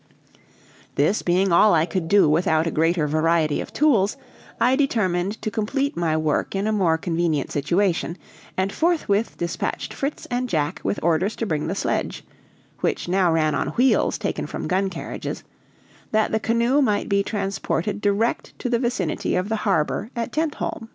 This being all I could do without a greater variety of tools, I determined to complete my work in a more convenient situation, and forthwith dispatched Fritz and Jack with orders to bring the sledge (which now ran on wheels taken from gun carriages) that the canoe might be transported direct to the vicinity of the harbor at Tentholm.